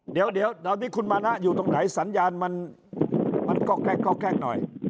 เดี๋ยวครุ่นมณะอยู่ตรงไหนสัญญามันก็แกล้กแกล้กหน่อย